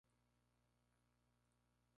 La piel es blanco grisáceo con manchas negras.